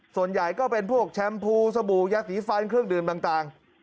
ส่วนใหญ่ก็เป็นพวกแชมพูสบู่ยาสีฟันเครื่องดื่มต่าง